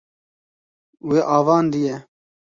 Wê avandiye.